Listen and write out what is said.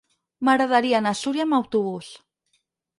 M'agradaria anar a Súria amb autobús.